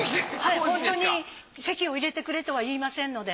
ホントに籍を入れてくれとは言いませんので。